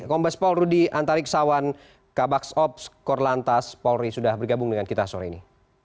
kompas pol rudi antarik sawan kabak sobs kor lantas polri sudah bergabung dengan kita sore ini